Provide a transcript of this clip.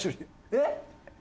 えっ？